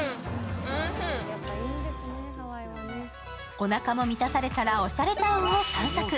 おなも満たされたら、おしゃれタウンを散策。